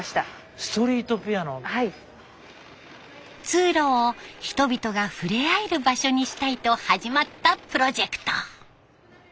通路を人々がふれあえる場所にしたいと始まったプロジェクト。